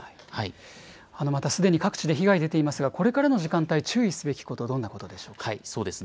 すでに各地で被害出ていますが、これからの時間帯、注意すべきことはどんなことでしょう